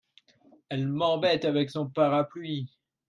Elle m’embête avec son parapluie !